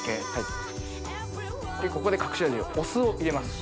ここで隠し味のお酢を入れます。